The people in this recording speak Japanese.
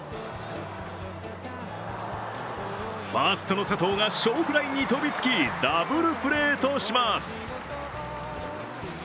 ファーストの佐藤が小フライに飛びつきダブルプレーとします。